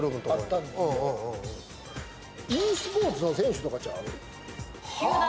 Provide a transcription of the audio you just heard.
ｅスポーツの選手とかちゃう？